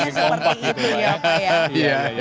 templatenya seperti itu ya